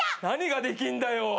何ができんだよ。